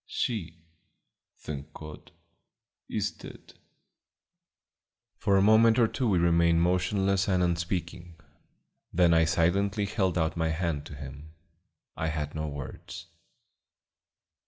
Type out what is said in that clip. "She, thank God, is dead." For a moment or two we remained motionless and unspeaking. Then I silently held out my hand to him. I had no words.